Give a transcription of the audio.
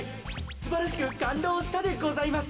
すばらしくかんどうしたでございます。